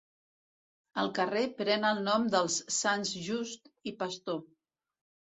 El carrer pren el nom dels Sants Just i Pastor.